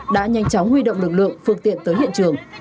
đã nhanh chóng huy động lực lượng phương tiện tới hiện trường